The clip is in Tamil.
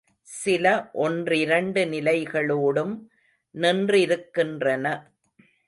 சில ஒன்றிரண்டு நிலைகளோடும் நின்றிருக்கின்றன.